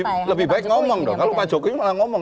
lebih baik ngomong dong kalau pak jokowi malah ngomong